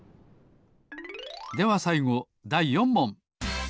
ではさいごだい４もん。